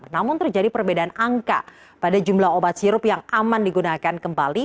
namun terjadi perbedaan angka pada jumlah obat sirup yang aman digunakan kembali